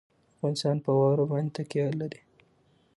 افغانستان په واوره باندې تکیه لري.